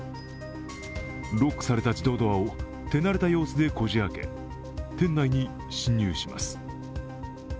ロックされた自動ドアを手慣れた様子でこじ開け、店内に侵入します。